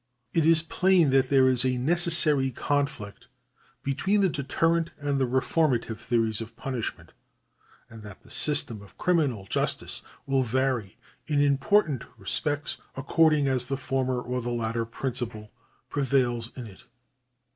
It is plain that there is a necessary conflict between the deterrent and the reformative theories of punishment, and that the system of criminal justice will vary in important lespects according as the former or the latter principle pre vails in it.